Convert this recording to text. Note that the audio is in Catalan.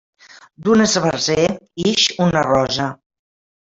D'un esbarzer ix una rosa.